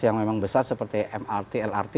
yang memang besar seperti mrt lrt